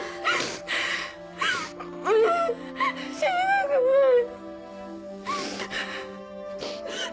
死にたくない。